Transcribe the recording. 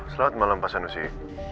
selamat malam mas anu sih